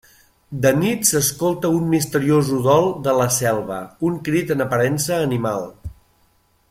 De nit s'escolta un misteriós udol de la selva, un crit en aparença animal.